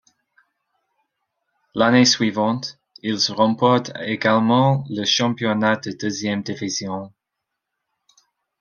L'année suivante, ils remportent également le championnat de deuxième division.